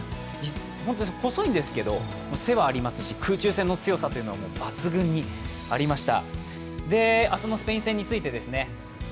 本当に細いんですけど背はありますし、空中戦の強さは抜群にありました。